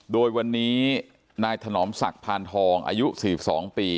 โดยวันนี้นายถนอมศักดิ์พานทองอายุ๔๒ปี